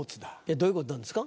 どういうことなんですか？